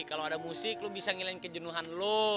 kalo ada musik lu bisa ngelain kejenuhan lu